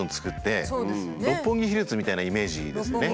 六本木ヒルズみたいなイメージですね。